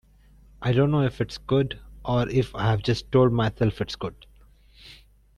I don't know if it's good, or if I've just told myself it's good.